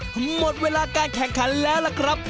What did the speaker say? หมดเวลาการแข่งขันแล้วล่ะครับ